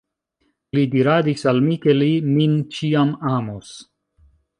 Li diradis al mi, ke li min ĉiam amos.